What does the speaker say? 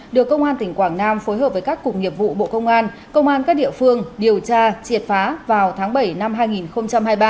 được công an tỉnh quảng nam phối hợp với các cục nghiệp vụ bộ công an công an các địa phương điều tra triệt phá vào tháng bảy năm hai nghìn hai mươi ba